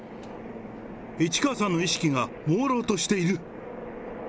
市川さんの意識がもうろうとしている。